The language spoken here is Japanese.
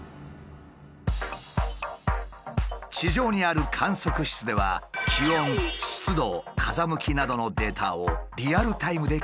地上にある観測室では気温湿度風向きなどのデータをリアルタイムで記録。